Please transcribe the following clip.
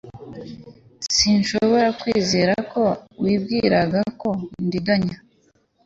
Sinshobora kwizera ko wibwiraga ko ndiganya